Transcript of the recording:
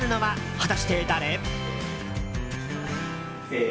果たして、誰？